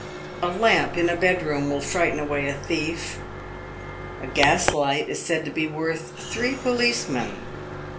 A lamp in a bedroom will frighten away a thief. A gas light is said to be worth three policemen.